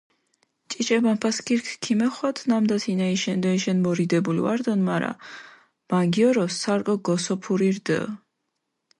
ჭიჭე მაფასქირქ ქომეხვადჷ, ნამდა თინა იშენდოიშენ მორდებული ვარდუნ, მარა მანგიორო სარკო გოსოფური რდჷ.